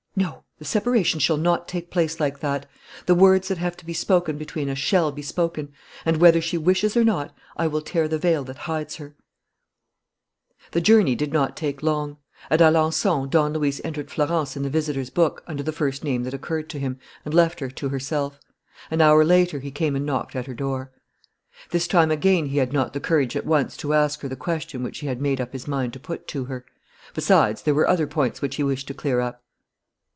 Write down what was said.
"No! The separation shall not take place like that. The words that have to be spoken between us shall be spoken; and, whether she wishes or not, I will tear the veil that hides her." The journey did not take long. At Alençon Don Luis entered Florence in the visitors' book under the first name that occurred to him and left her to herself. An hour later he came and knocked at her door. This time again he had not the courage at once to ask her the question which he had made up his mind to put to her. Besides, there were other points which he wished to clear up.